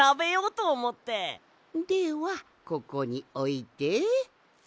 ではここにおいて。